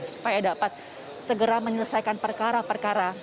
supaya dapat segera menyelesaikan perkara perkara